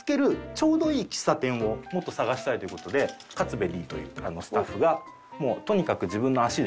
ちょうどいい喫茶店をもっと探したいという事で勝部Ｄというスタッフがとにかく自分の足で。